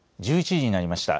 １１時になりました。